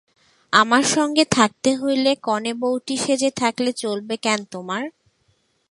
আমার সঙ্গে থাকতে হলে কনেবৌটি সেজে থাকলে চলবে কেন তোমার?